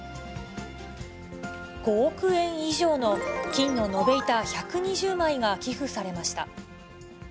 ５億円以上の金の延べ板１２０枚が寄付されました。